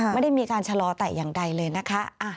ไม่ได้มีการชะลอแต่อย่างใดเลยนะคะ